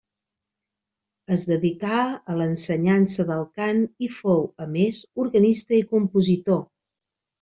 Es dedicà a l'ensenyança del cant i fou, a més, organista i compositor.